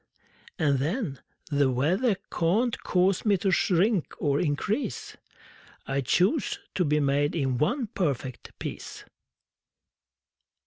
And, then, The weather can't cause me to shrink or increase: I chose to be made in one perfect piece!